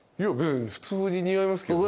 普通に似合いますけど。